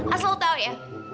asal lo tau ya